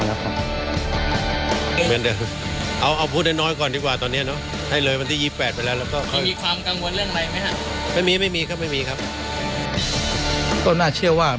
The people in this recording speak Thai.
เอาเอาพูดให้น้อยก่อนดีกว่าตอนเนี้ยเนอะให้เลยวันที่ยี่แปดไปแล้วก็